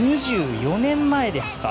２４年前ですか！